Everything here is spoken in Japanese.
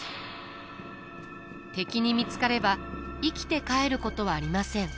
敵に見つかれば生きて帰ることはありません。